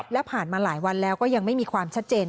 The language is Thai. และผ่านมาหลายวันแล้วก็ยังไม่มีความชัดเจน